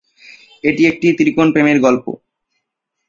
এটি একটি ত্রিকোণ প্রেমের গল্প।